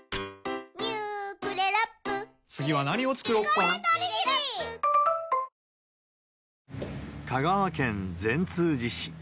ニトリ香川県善通寺市。